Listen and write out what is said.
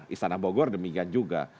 istana bogor demikian juga